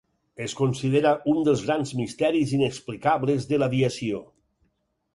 Es considera un dels grans misteris inexplicables de l'aviació.